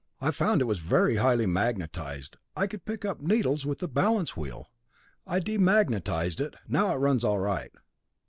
I found it was very highly magnetized I could pick up needles with the balance wheel. I demagnetized it; now it runs all right.